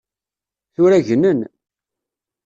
Tura gnen.